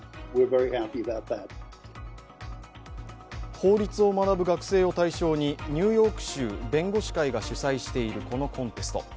法律を学ぶ学生を対象にニューヨーク州弁護士会が主催しているこのコンテスト。